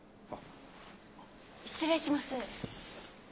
失礼します。